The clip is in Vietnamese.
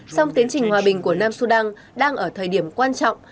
song tiến trình hòa bình của nam sudan đang ở thời điểm quan trọng